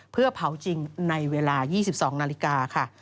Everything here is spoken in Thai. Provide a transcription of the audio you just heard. เพื่อเผาจริงในเวลา๒๒นาฬิกาค่ะ